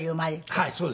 はい。